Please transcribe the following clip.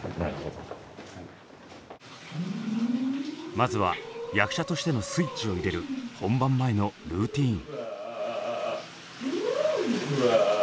まずは役者としてのスイッチを入れる本番前のルーティーン。